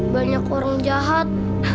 banyak orang jahat